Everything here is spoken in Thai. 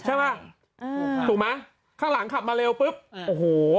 ใช่ป่ะอืมถูกไหมข้างหลังขับมาเร็วปุ๊บโอ้โห